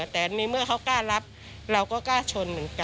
แต่ในเมื่อเขากล้ารับเราก็กล้าชนเหมือนกัน